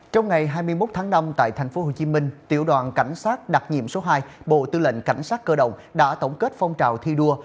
trong ngày hai mươi một tháng năm tại tp hcm tiểu đoàn cảnh sát đặc nhiệm số hai bộ tư lệnh cảnh sát cơ động đã tổng kết phong trào thi đua